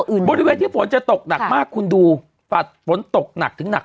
อื่นบริเวณที่ฝนจะตกหนักมากคุณดูฝนตกหนักถึงหนัก